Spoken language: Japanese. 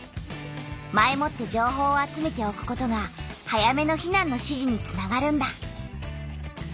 前もって情報を集めておくことが早めの避難の指示につながるんだ。